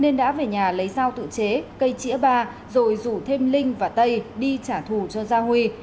nên đã về nhà lấy dao tự chế cây chĩa ba rồi rủ thêm linh và tây đi trả thù cho gia huy